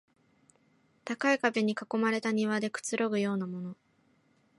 高い壁に囲まれた庭でくつろぐようなもの